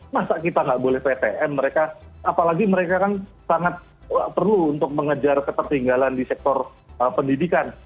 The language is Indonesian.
masa kita nggak boleh ptm apalagi mereka kan sangat perlu untuk mengejar ketertinggalan di sektor pendidikan